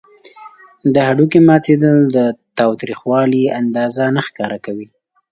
د هډوکي ماتیدل د تاوتریخوالي اندازه نه ښکاره کوي.